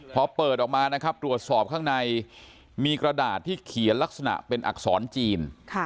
พอเปิดออกมานะครับตรวจสอบข้างในมีกระดาษที่เขียนลักษณะเป็นอักษรจีน